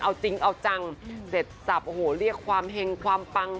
เอาจริงเอาจังเสร็จจับโอ้โหเรียกความเฮงความปัง